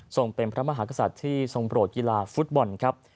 เป็นพระมหากษัตริย์ที่ทรงโปรดกีฬาฟุตบอลครับ